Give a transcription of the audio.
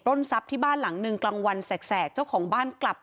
ทรัพย์ที่บ้านหลังหนึ่งกลางวันแสกเจ้าของบ้านกลับ